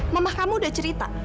mama kamu udah cerita